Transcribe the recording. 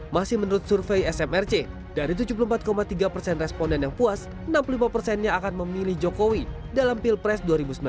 masih menurut survei smrc dari tujuh puluh empat tiga persen responden yang puas enam puluh lima persennya akan memilih jokowi dalam pilpres dua ribu sembilan belas